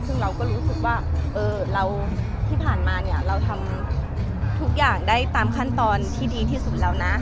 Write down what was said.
ซึ่งเราก็รู้สึกว่าที่ผ่านมาเนี่ยเราทำทุกอย่างได้ตามขั้นตอนที่ดีที่สุดแล้วนะ